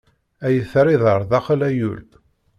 Ay terriḍ ar daxel a yul!